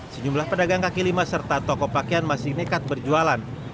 sejumlah pedagang kaki lima serta toko pakaian masih nekat berjualan